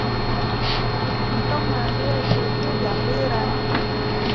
คุณต้องมาด้วยเธอพูดอย่างดื้อรั้น